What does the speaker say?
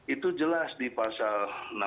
itu jelas di pasal